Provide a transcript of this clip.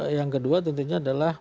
yang kedua tentunya adalah